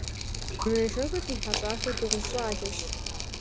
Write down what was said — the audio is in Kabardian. Мы ныжэбэ ди хьэщӀахэр дыгъужь щӀалэщ.